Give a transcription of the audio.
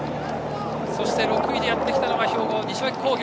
そして６位でやってきたのが兵庫・西脇工業。